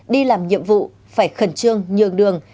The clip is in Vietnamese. đi làm nhiệm vụ phải khẩn trương nhường đường